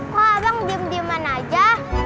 kau abang diem diem aja